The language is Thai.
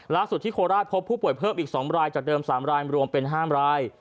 ล่าสุดที่โคราชพบผู้ป่วยเพิ่มอีก๒รายจากเดิม๓รายรวมเป็น๕ราย